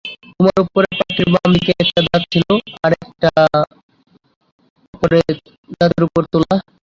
তোমার ওপরের পাটির বাম দিকে একটা দাঁত ছিল আরেকটা দাঁতের ওপরে তোলা।